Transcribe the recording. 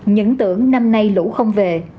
những tưởng năm nay lũ không về